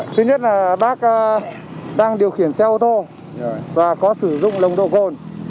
thứ nhất là bác đang điều khiển xe ô tô và có sử dụng nồng độ cồn